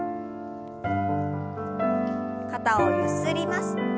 肩をゆすります。